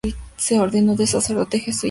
Se ordenó de sacerdote jesuita.